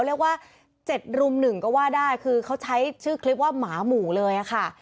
เรียกว่า๗รุ่มหนึ่งก็ว่าได้คือเขาใช้ชื่อคลิปว่าหมาหมู่เลยค่ะ